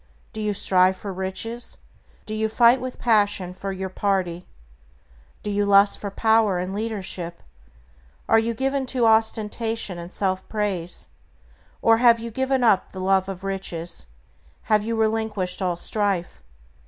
Do you strive for riches? Do you fight, with passion, for your party? Do you lust for power and leadership? Are you given to ostentation and self praise? Or have you given up the love of riches? Have you relinquished all strife?